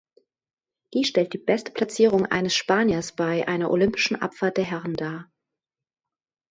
Dies stellt die beste Platzierung eines Spaniers bei einer olympischen Abfahrt der Herren dar.